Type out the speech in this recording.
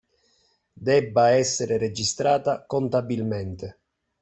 Debba essere registrata contabilmente